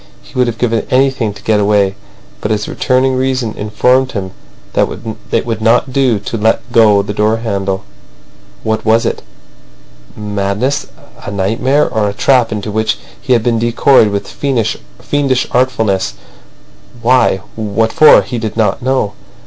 He would have given anything to get away, but his returning reason informed him that it would not do to let go the door handle. What was it—madness, a nightmare, or a trap into which he had been decoyed with fiendish artfulness? Why—what for? He did not know.